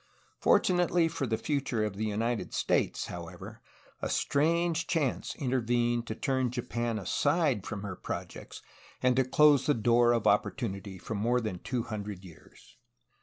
Fortunately for the future of the United States, however, a strange chance intervened to turn Japan aside from her projects and to close the door of opportunity for more than two hundred years.